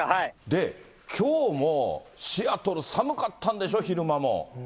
で、きょうも、シアトル寒かったんでしょ、昼間も。